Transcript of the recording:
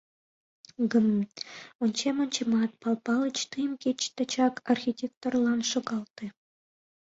— Гм-м, ончем-ончемат, Пал Палыч, тыйым кеч тачак архитекторлан шогалте!